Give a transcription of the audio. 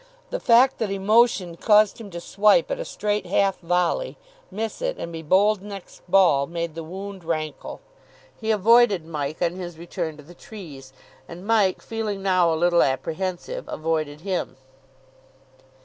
The fact that emotion caused him to swipe at a straight half volley, miss it, and be bowled next ball made the wound rankle. He avoided Mike on his return to the trees. And Mike, feeling now a little apprehensive, avoided him.